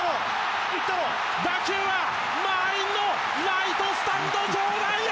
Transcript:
打球は満員のライトスタンド上段へ。